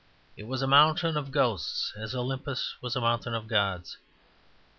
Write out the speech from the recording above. It was a mountain of ghosts as Olympus was a mountain of gods.